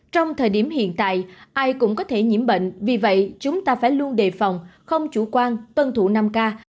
trong thời điểm hiện tại ai cũng có thể nhiễm bệnh vì vậy chúng ta phải luôn đề phòng không chủ quan tuân thủ năm k